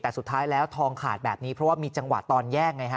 แต่สุดท้ายแล้วทองขาดแบบนี้เพราะว่ามีจังหวะตอนแย่งไงฮะ